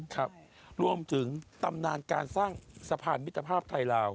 ครับรวมถึงตำนานการสร้างสะพานมิตรภาพไทยลาว